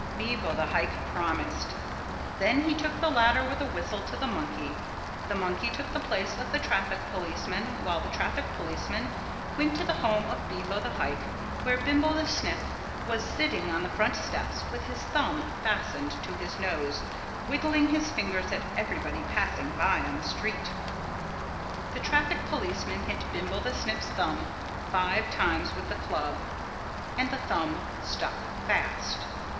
Bevo the Hike promised. Then he took the ladder with a whistle to the monkey, the monkey took the place of the traffic policeman while the traffic policeman went to the home of Bevo the Hike where Bimbo the Snip was sitting on the front steps with his thumb fastened to his nose wiggling his fingers at everybody passing by on the street. The traffic policeman hit Bimbo the Snip's thumb five times with the club. And the thumb stuck fast.